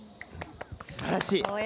すばらしい。